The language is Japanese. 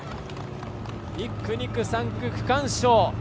１区、２区、３区、区間賞。